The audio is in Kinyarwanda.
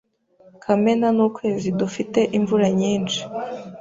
Kamena ni ukwezi dufite imvura nyinshi.